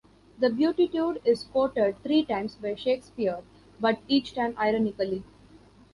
The Beatitude is quoted three times by Shakespeare, but each time ironically.